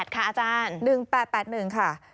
๑๘ค่ะอาจารย์๑๘๘๑ค่ะ